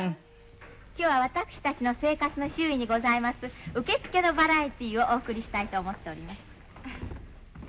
今日は私たちの生活の周囲にございます受付のバラエティーをお送りしたいと思っております。